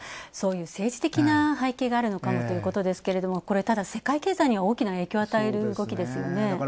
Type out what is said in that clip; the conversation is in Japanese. そういう政治的な背景があるのかもということですけどもただ、世界経済には大きな影響を与える動きですよね。